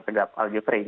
pegawai pak aljufri